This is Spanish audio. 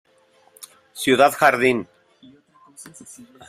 Ciudad Jardín.